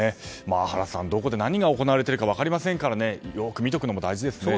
原さん、どこで何が行われているか分かりませんからよく見ておくのも大事ですね。